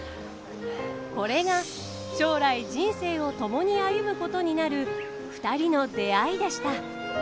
これが将来人生を共に歩むことになるふたりの出会いでした。